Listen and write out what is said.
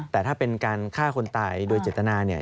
แต่ถ้าเป็นการฆ่าคนตายโดยเจตนาเนี่ย